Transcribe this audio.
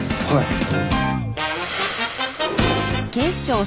はい。